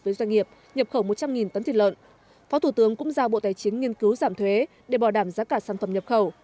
với doanh nghiệp nhập khẩu một trăm linh tấn thịt lợn phó thủ tướng cũng giao bộ tài chính nghiên cứu giảm thuế để bỏ đảm giá cả sản phẩm nhập khẩu